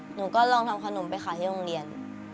หนูก็ลองทำขนมไปขายที่โรงเรียน